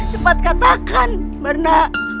cepat katakan barna